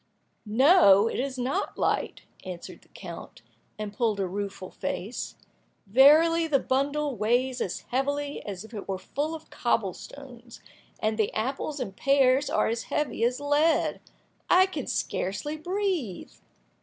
"No, it is not light," answered the count, and pulled a rueful face. "Verily, the bundle weighs as heavily as if it were full of cobble stones, and the apples and pears are as heavy as lead! I can scarcely breathe."